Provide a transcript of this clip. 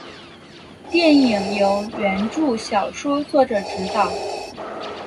电影由原着小说作者执导。